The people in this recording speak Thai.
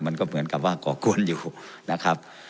มันก็เหมือนกับว่าก่อกวนอยู่นะครับ